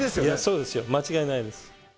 そうですよ、間違いないです。